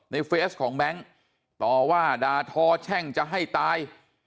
เฟสของแบงค์ต่อว่าด่าทอแช่งจะให้ตาย